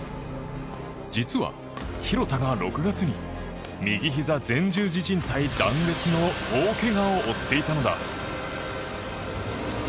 実は廣田が６月に右ひざ前十字じん帯断裂の大けがを負っていたのだ。